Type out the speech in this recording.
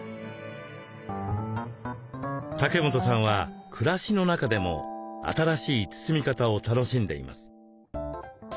竹本さんは暮らしの中でも新しい包み方を楽しんでいます。